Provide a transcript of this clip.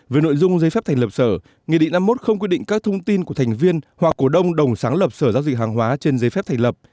về nội dung giấy phép thành lập sở nghị định năm mươi một không quy định các thông tin của thành viên hoặc cổ đông đồng sáng lập sở giao dịch hàng hóa trên giấy phép thành lập